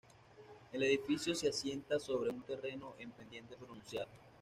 El edificio se asienta sobre un terreno en pendiente pronunciada.